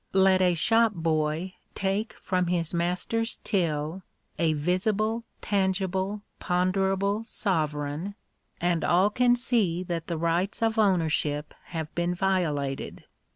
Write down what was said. Let a shop boy take from his master's till a visible, tangible, ponderable sovereign, and all can see that the rights of ownership have been violated.